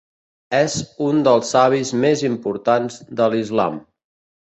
És un dels savis més importants de l'Islam.